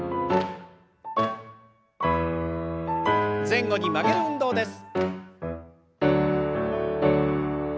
前後に曲げる運動です。